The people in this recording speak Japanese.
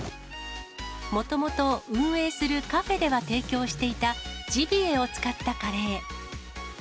もともと運営するカフェでは提供していた、ジビエを使ったカレー。